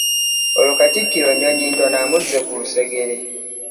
Olwo Katikkiro Nnyonyintono amuzze ku lusegere!